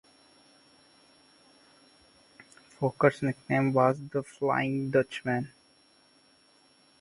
Fokker's nickname was "The Flying Dutchman".